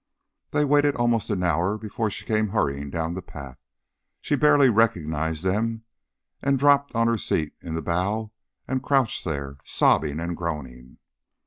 They waited almost an hour before she came hurrying down the path. She barely recognized them, but dropped on her seat in the bow and crouched there, sobbing and groaning.